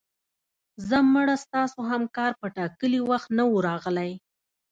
ځه مړه ستاسو همکار په ټاکلي وخت نه و راغلی